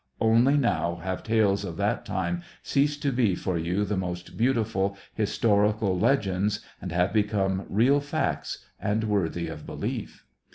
— only now have tales of that time ceased to be for you the most beautiful historical legends, and have become real facts and worthy of belief.